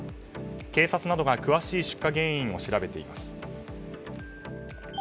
警察などが詳しい出火原因を調べています。